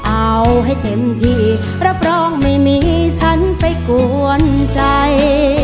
เอาให้เต็มที่รับรองไม่มีฉันไปกวนใจ